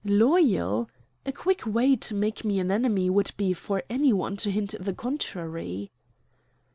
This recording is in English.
"Loyal? A quick way to make me an enemy would be for any one to hint the contrary."